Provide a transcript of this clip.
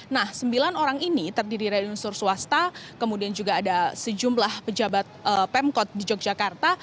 nah sembilan orang ini terdiri dari unsur swasta kemudian juga ada sejumlah pejabat pemkot di yogyakarta